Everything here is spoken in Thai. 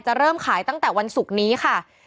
เริ่มขายตั้งแต่วันศุกร์นี้ค่ะ